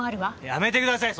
やめてください